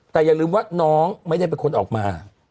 แต่อย่าลืมว่าน้องไม่ได้เป็นคนออกมา